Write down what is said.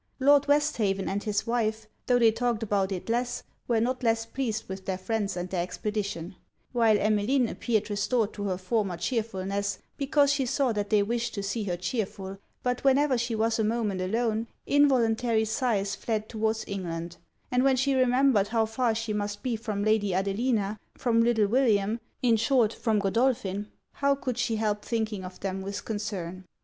Lord Westhaven and his wife, tho' they talked about it less, were not less pleased with their friends and their expedition; while Emmeline appeared restored to her former chearfulness, because she saw that they wished to see her chearful: but whenever she was a moment alone, involuntary sighs fled towards England; and when she remembered how far she must be from Lady Adelina, from little William, in short, from Godolphin, how could she help thinking of them with concern.